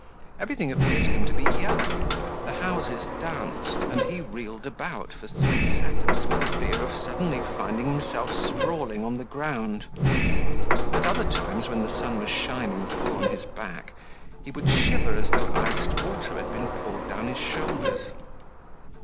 Everything appeared to him to be yellow; the houses danced and he reeled about for three seconds with the fear of suddenly finding himself sprawling on the ground. At other times, while the sun was shining full on his back, he would shiver as though iced water had been poured down his shoulders.